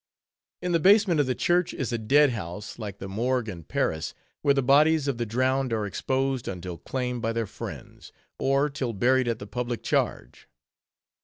In the basement of the church is a Dead House, like the Morgue in Paris, where the bodies of the drowned are exposed until claimed by their friends, or till buried at the public charge.